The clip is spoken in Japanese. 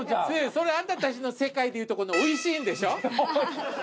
それあんた達の世界で言うとこの「おいしい」でしょ？